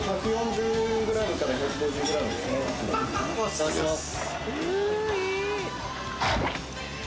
いただきやす。